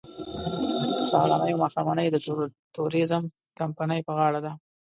سهارنۍ او ماښامنۍ د ټوریزم کمپنۍ په غاړه ده.